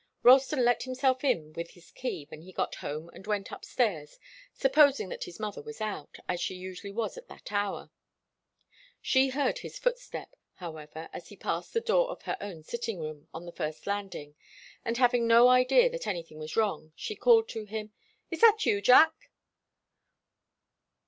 Ralston let himself in with his key when he got home and went upstairs, supposing that his mother was out, as she usually was at that hour. She heard his footstep, however, as he passed the door of her own sitting room, on the first landing, and having no idea that anything was wrong, she called to him. "Is that you, Jack?"